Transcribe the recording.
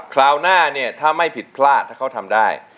คราวหน้าเนี่ยถ้าไม่ผิดพลาดถ้าเขาทำได้